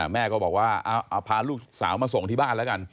แม่ก็บอกว่าเอาพาลูกสาวมาส่งที่บ้านแล้วกัน